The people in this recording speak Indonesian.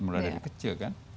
mulai dari kecil kan